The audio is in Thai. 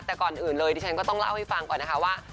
แต่ก่อนอื่นเลยดิฉันก็ต้องเล่าให้ฟังก่อนนะคะว่า